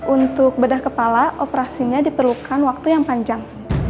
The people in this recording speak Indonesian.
untuk bedah kepala operasinya diperlukan waktu yang panjang